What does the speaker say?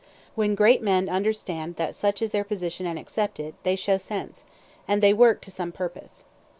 When great men understand that such is their position and accept it, they show sense, and they work to some purpose.